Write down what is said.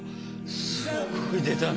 すごい出たね。